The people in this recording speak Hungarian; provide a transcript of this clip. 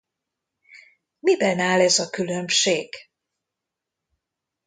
Miben áll ez a különbség?